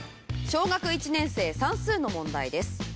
小学１年生算数の問題です。